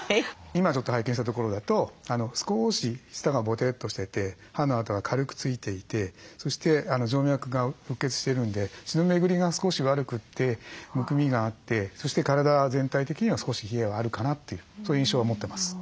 今ちょっと拝見したところだと少し舌がぼてっとしてて歯の跡が軽くついていてそして静脈がうっ血してるんで血の巡りが少し悪くてむくみがあってそして体全体的には少し冷えがあるかなというそういう印象は持ってます。